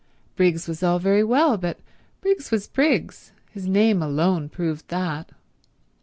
Briggs was all very well, but Briggs was Briggs; his name alone proved that.